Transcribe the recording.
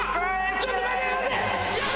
ちょっと待って待って！